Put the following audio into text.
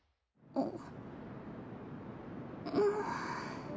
あっ。